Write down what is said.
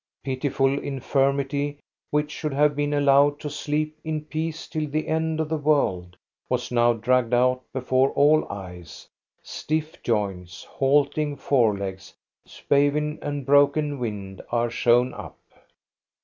Pitiful infirmity, which should have been allowed to sleep in peace till the end of the world, was now dragged out before all eyes; stiff joints, halt ing forelegs, spavin, and broken wind are shown up.